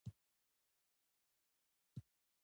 ویل کېږي هغه بازار د ژړا دېوال.